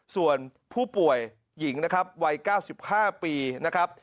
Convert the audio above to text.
ส่วนผู้ป่วยหญิงนะครับวัย๙๕ปีนะครับ